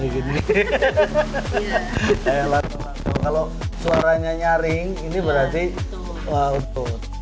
kalau suaranya nyaring ini berarti utuh